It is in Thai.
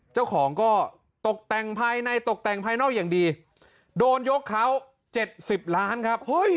เจ้าของก็ตกแต่งภายในตกแต่งภายนอกอย่างดีโดนยกเขา๗๐ล้านครับ